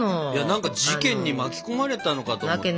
何か事件に巻き込まれたのかと思った。